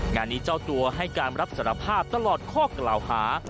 งานนี้เจ้าตัวให้การรับสารภาพตลอดข้อกล่าวหา